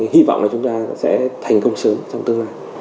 hy vọng là chúng ta sẽ thành công sớm trong tương lai